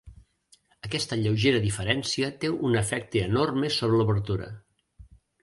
Aquesta lleugera diferència té un efecte enorme sobre l'obertura.